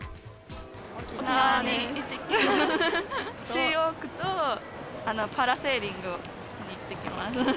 シーウォークとパラセーリングをしに行っていきます。